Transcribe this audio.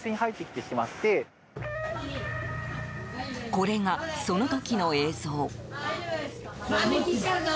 これがその時の映像。